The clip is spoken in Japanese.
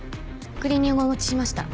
クリーニングをお持ちしました。